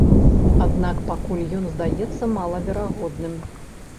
Аднак пакуль ён здаецца малаверагодным.